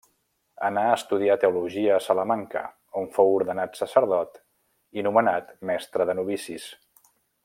Anà a estudiar Teologia a Salamanca, on fou ordenat sacerdot i nomenat Mestre de Novicis.